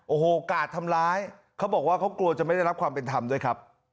โอ้โหกาดทำร้ายเขาบอกว่าเขากลัวจะไม่ได้รับความเป็นธรรมด้วยครับ